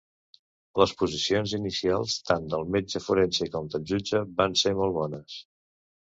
Les posicions inicials, tant del metge forense com del jutge, van ser molt bones.